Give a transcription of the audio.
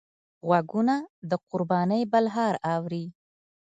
غوږونه د قربانۍ بلهار اوري